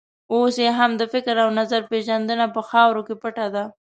اوس یې هم د فکر او نظر پېژندنه په خاورو کې پټه ده.